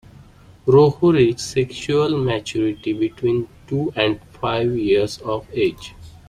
Rohu reach sexual maturity between two and five years of age.